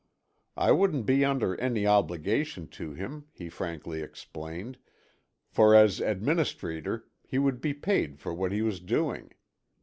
I wouldn't be under any obligation to him, he frankly explained, for as administrator he would be paid for what he was doing.